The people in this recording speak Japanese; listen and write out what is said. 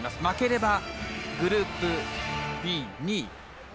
負ければグループＢ、２位。